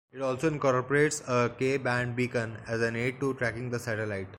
It also incorporates a K band Beacon as an aid to tracking the satellite.